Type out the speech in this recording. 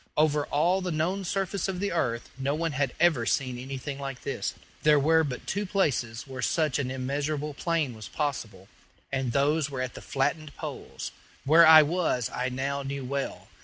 Over all the known surface of the earth no one had ever seen anything like this; there were but two places where such an immeasurable plain was possible, and those were at the flattened poles. Where I was I now knew well.